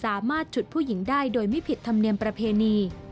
ฉุดผู้หญิงได้โดยไม่ผิดธรรมเนียมประเพณี